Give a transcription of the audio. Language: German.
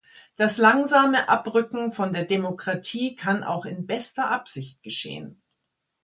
Das langsame Abrücken von der Demokratie kann auch in bester Absicht geschehen.